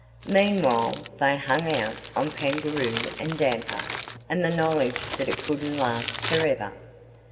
Meanwhile, they hung out on kangaroo and damper and the knowledge that it couldn't last for ever.